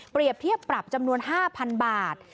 เปรียบเทียบปรับจำนวน๕๐๐๐บาท